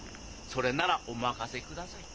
それならお任せください。